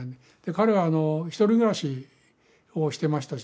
彼は１人暮らしをしてましたしね。